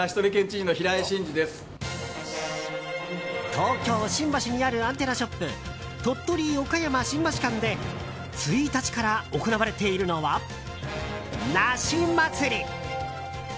東京・新橋にあるアンテナショップとっとり・おかやま新橋館で１日から行われているのは梨まつり！